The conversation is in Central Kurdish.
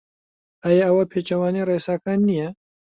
ئایا ئەوە پێچەوانەی ڕێساکان نییە؟